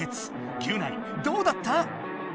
ギュナイどうだった？